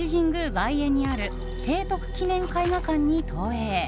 外苑にある聖徳記念絵画館に投影。